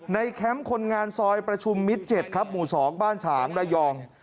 แคมป์คนงานซอยประชุมมิตร๗ครับหมู่๒บ้านฉางระยอง